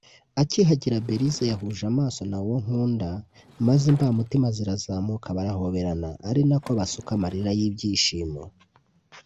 Akihagera Belise yahuje amaso na Uwonkunda maze imbamutima zirazamuka barahoberana ari nako basuka amarira y’ibyishimo